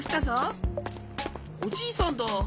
おじいさんだ。